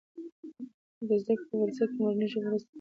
د زده کړې په پروسه کې مورنۍ ژبه مرسته کوي.